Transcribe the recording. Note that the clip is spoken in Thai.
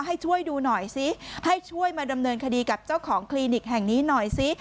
ให้ช่วยดูหน่อยซิให้ช่วยมาดำเนินคดีกับเจ้าของคลินิกแห่งนี้หน่อยซิ